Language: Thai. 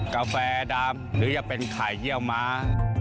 กาแฟดำหรือจะเป็นไข่เยี่ยวม้า